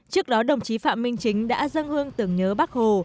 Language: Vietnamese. trước đó đồng chí phạm minh chính đã dâng hương tưởng nhớ bắc hồ